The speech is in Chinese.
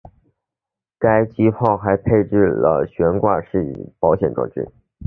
该机炮还配备了悬挂式保险装置。